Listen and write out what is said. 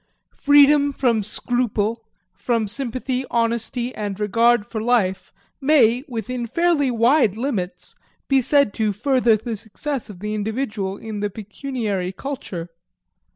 Freedom from scruple, from sympathy, honesty and regard for life, may, within fairly wide limits, be said to further the success of the individual in the pecuniary culture.